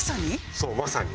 そうまさに。